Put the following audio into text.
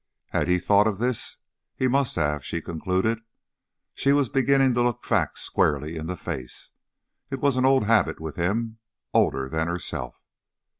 Had he thought of this? He must have, she concluded. She was beginning to look facts squarely in the face; it was an old habit with him, older than herself.